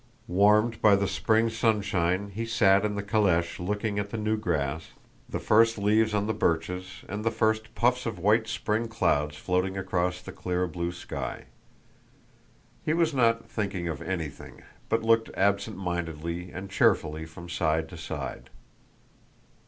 Warmed by the spring sunshine he sat in the calèche looking at the new grass, the first leaves on the birches, and the first puffs of white spring clouds floating across the clear blue sky. He was not thinking of anything, but looked absent mindedly and cheerfully from side to side.